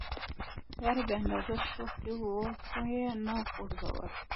يره بې اندازه شوخ دي وخو يې نه ځورولئ.